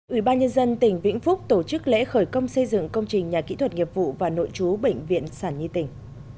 ủy ban nhân dân tỉnh vĩnh phúc tổ chức lễ khởi công xây dựng công trình nhà kỹ thuật nghiệp vụ và nội trú bệnh viện sản nhi tỉnh